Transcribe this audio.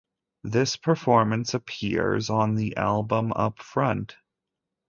This performance appears on the album Upfront!